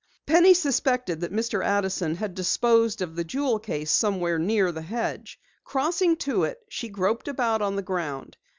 Penny suspected that Mr. Addison had disposed of the jewel case somewhere near the hedge. Crossing to it, she groped about on the ground.